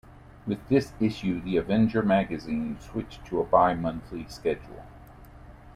With this issue, The Avenger magazine switched to a bi-monthly schedule.